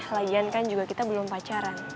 lagian kan juga kita belum pacaran